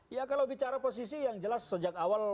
ya kalau bicara posisi yang jelas sejak awal